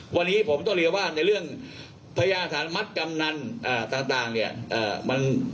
วันนี้ผมต้องเรียกว่าในเรื่องพญาสารมัดกำนันต่างเนี่ย